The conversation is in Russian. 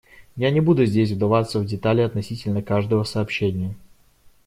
Я не буду здесь вдаваться в детали относительно каждого сообщения.